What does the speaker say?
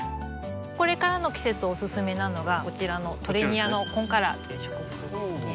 これからの季節おすすめなのがこちらのトレニアのコンカラーという植物ですね。